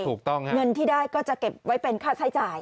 เงินที่ได้ก็จะเก็บไว้เป็นค่าใช้จ่าย